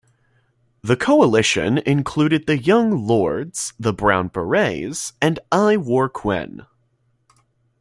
The coalition included the Young Lords, the Brown Berets and I Wor Kuen.